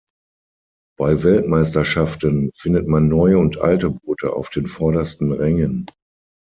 Bei Weltmeisterschaften findet man neue und alte Boote auf den vordersten Rängen.